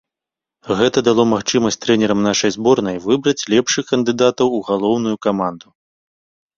Гэта дало магчымасць трэнерам нашай зборнай выбраць лепшых кандыдатаў у галоўную каманду.